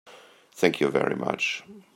Thank you very much.